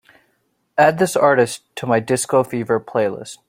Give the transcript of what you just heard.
add this artist to my disco fever playlist